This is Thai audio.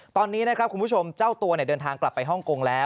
ตอนนี้นะครับคุณผู้ชมเจ้าตัวเดินทางกลับไปฮ่องกงแล้ว